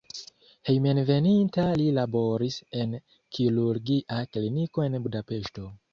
Hejmenveninta li laboris en kirurgia kliniko en Budapeŝto.